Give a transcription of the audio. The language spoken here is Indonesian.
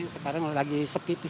sekarang lagi sepi sepi